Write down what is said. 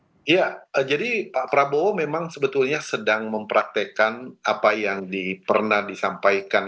iya jadi pak prabowo memang sebetulnya sedang mempraktekkan apa yang pernah disampaikan